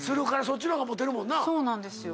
そうなんですよ。